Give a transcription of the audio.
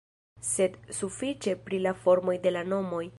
Sed sufiĉe pri la formoj de la nomoj.